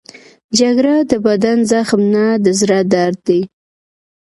جګړه د بدن زخم نه، د زړه درد دی